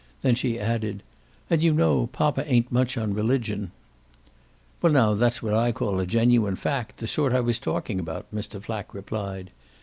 Then she added: "And you know poppa ain't much on religion." "Well now that's what I call a genuine fact, the sort I was talking about," Mr. Flack replied.